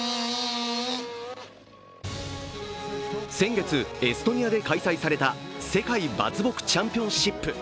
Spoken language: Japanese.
先月、エストニアで開催された世界伐木チャンピオンシップ。